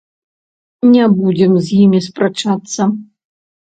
Не будзем з імі спрачацца.